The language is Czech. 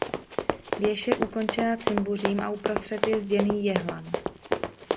Věž je ukončena cimbuřím a uprostřed je zděný jehlan.